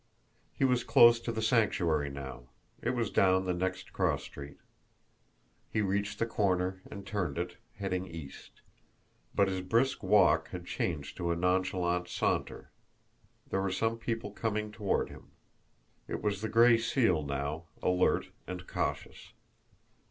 He was close to the Sanctuary now it was down the next cross street. He reached the corner and turned it, heading east; but his brisk walk had changed to a nonchalant saunter there were some people coming toward him. It was the Gray Seal now, alert and cautious.